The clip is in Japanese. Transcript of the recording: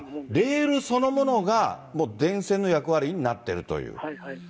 レールそのものが、もう電線の役割になっているという。